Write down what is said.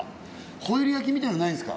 ホイル焼きみたいなのないっすか？